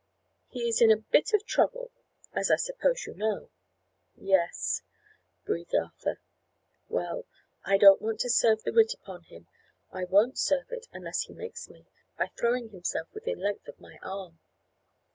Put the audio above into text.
"He is in a bit of trouble, as I suppose you know." "Yes," breathed Arthur. "Well, I don't want to serve the writ upon him; I won't serve it unless he makes me, by throwing himself within length of my arm.